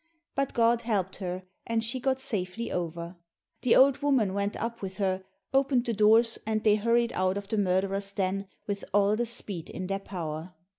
But God helped her, and she got safely over. The old woman went up with her, opened the doors, and they hurried out of the murderers' den with all the speed in their power.